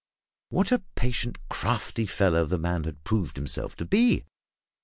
What a patient, crafty fellow the man had proved himself to be!